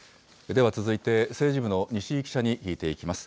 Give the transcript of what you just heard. では続いて、政治部の西井記者に聞いていきます。